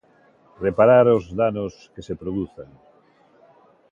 ...reparar os danos que se produzan...